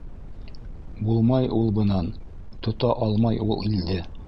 Булмай ул бынан, тота алмай ул илде.